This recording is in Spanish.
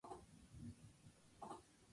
Referencia: Web oficial.